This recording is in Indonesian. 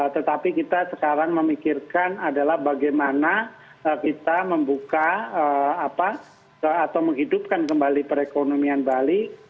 tetapi kita sekarang memikirkan adalah bagaimana kita membuka atau menghidupkan kembali perekonomian bali